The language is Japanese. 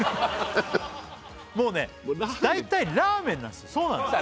もうね大体ラーメンなんすよそうなんですよ